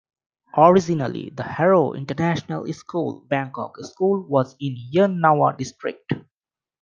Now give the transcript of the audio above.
Originally the Harrow International School, Bangkok school was in Yan Nawa District.